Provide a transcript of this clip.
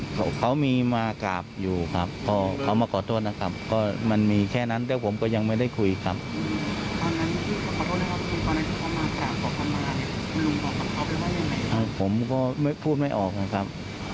พูดไม่ออกนะครับ